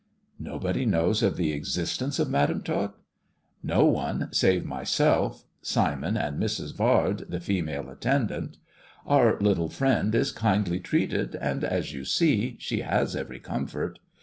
"Nobody knows of the existence of Madam Toti " "No one, save myself, Simon, and Mrs. Vard, the female 40 THE dwarf's chamber attendant. Our little friend is kindly treated, and, as you see, she has every comfort.